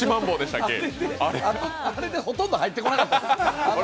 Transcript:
あれでほとんど入ってこなかった。